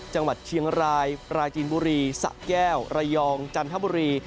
จังหวัดเชียงรายปราจีนบุรีสะแก้วระยองจันทบุรี